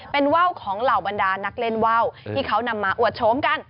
เป็นว่าวของเหล่าบรรดานักเล่นว่าวที่เขานำมาอวดโฉมกัน